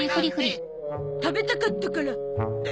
食べたかったから！